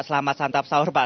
selamat santap sahur pak